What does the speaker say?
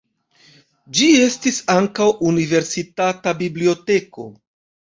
Ĝi estis ankaŭ universitata biblioteko.